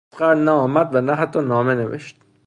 اصغر نه آمد و نه حتی نامه نوشت.